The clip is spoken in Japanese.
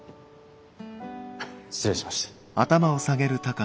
失礼しました。